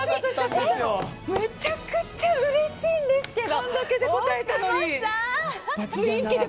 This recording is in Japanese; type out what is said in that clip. めちゃくちゃうれしいんですけど。